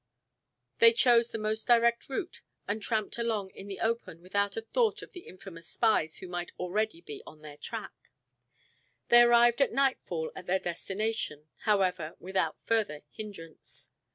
They chose the most direct route and tramped along in the open without a thought of the infamous spies who might already be on their track. They arrived at nightfall at their destination, however, without further hindrance.